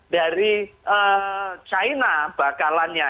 dari china bakalannya